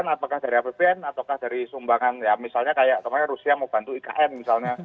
apakah dari apbn atau dari sumbangan misalnya rusia mau bantu ikn